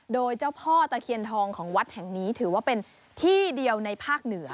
โดยเจ้าพ่อตะเคียนทองของวัดแห่งนี้ถือว่าเป็นที่เดียวในภาคเหนือ